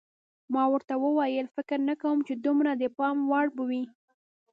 ما ورته وویل: فکر نه کوم چې دومره د پام وړ به وي.